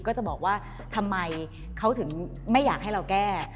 ก็จะบอกว่าทำไมเขาถึงไม่อยากให้เราแก้